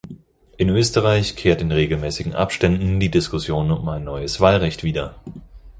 In Österreich kehrt in regelmäßigen Abständen die Diskussion um ein neues Wahlrecht wieder.